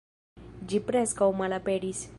Ĝi preskaŭ malaperis.